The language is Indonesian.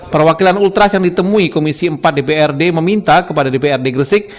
perwakilan ultras yang ditemui komisi empat dprd meminta kepada dprd gresik